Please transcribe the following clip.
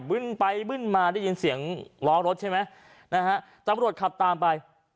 ึ้นไปบึ้นมาได้ยินเสียงล้อรถใช่ไหมนะฮะตำรวจขับตามไป